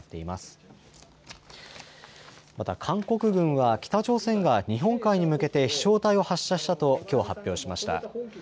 また韓国軍は北朝鮮が日本海に向けて飛しょう体を発射したときょう発表しました。